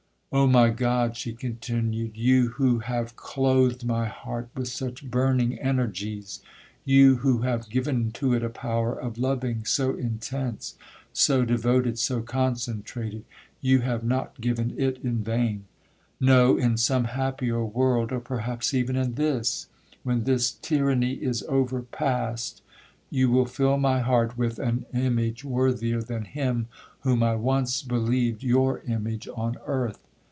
'Oh, my God!' she continued, 'you who have clothed my heart with such burning energies—you who have given to it a power of loving so intense, so devoted, so concentrated—you have not given it in vain;—no, in some happier world, or perhaps even in this, when this 'tyranny is overpast,' you will fill my heart with an image worthier than him whom I once believed your image on earth.